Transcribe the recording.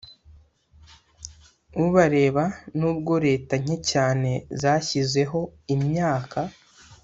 Ubareba nubwo leta nke cyane zashyizeho imyaka